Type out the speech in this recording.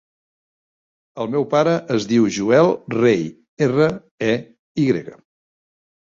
El meu pare es diu Joel Rey: erra, e, i grega.